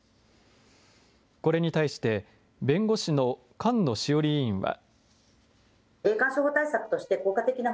これに対して、弁護士の菅野志桜里委員は。